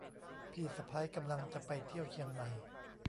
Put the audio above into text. พี่สะใภ้กำลังจะไปเที่ยวเชียงใหม่